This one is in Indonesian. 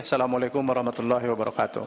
assalamualaikum wr wb